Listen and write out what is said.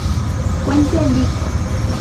Fuente: Lic.